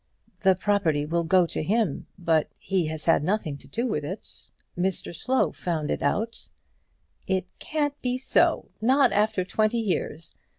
"The property will go to him, but he has had nothing to do with it. Mr Slow found it out." "It can't be so, not after twenty years.